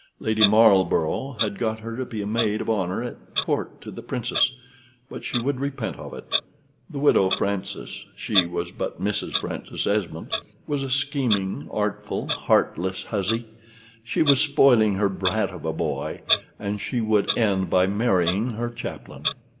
Lady Marlborough had got her to be a maid of honor at Court to the Princess, but she would repent of it. The widow Francis (she was but Mrs. Francis Esmond) was a scheming, artful, heartless hussy. She was spoiling her brat of a boy, and she would end by marrying her chaplain.